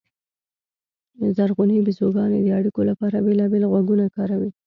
زرغونې بیزوګانې د اړیکو لپاره بېلابېل غږونه کاروي.